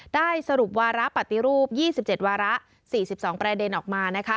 ได้สรุปวาระปฏิรูป๒๗วาระ๔๒ประเด็นออกมานะคะ